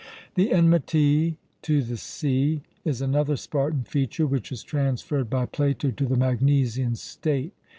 The enmity to the sea is another Spartan feature which is transferred by Plato to the Magnesian state.